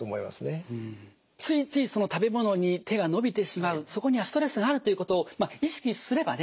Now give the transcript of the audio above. ついつい食べ物に手が伸びてしまうそこにはストレスがあるということを意識すればね